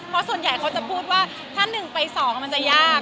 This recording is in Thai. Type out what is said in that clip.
เพราะส่วนใหญ่เขาจะพูดว่าถ้า๑ไป๒มันจะยาก